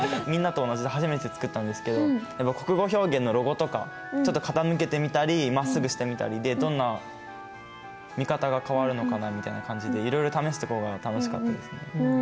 みんなと同じで初めて作ったんですけど「国語表現」のロゴとかちょっと傾けてみたりまっすぐしてみたりでどんな見方が変わるのかなみたいな感じでいろいろ試すところが楽しかったですね。